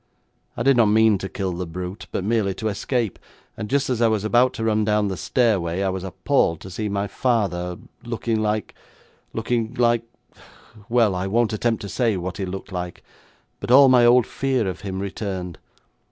I did not mean to kill the brute, but merely to escape, and just as I was about to run down the stairway, I was appalled to see my father looking like looking like well, I won't attempt to say what he looked like; but all my old fear of him returned.